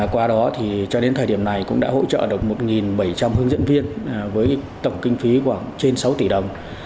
qua đó thì cho đến thời điểm này cũng đã hỗ trợ được một bảy trăm linh hướng dẫn viên với tổng kinh phí khoảng trên sáu tỷ đồng